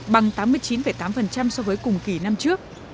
bằng tám mươi chín tám so với cùng kỳ năm trước